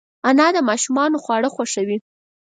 انا د ماشومانو خواړه خوښوي